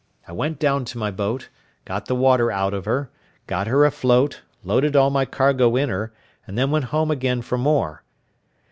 I went down to my boat, got the water out of her, got her afloat, loaded all my cargo in her, and then went home again for more.